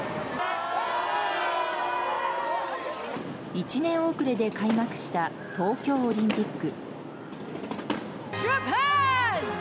１年遅れで開幕した東京オリンピック。